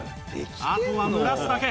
あとは蒸らすだけ